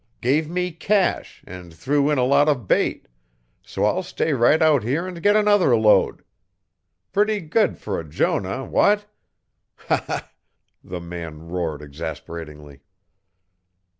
Gave me cash and threw in a lot of bait, so I'll stay right out here and get another load. Petty good for a Jonah what? Ha, ha!" The man roared exasperatingly.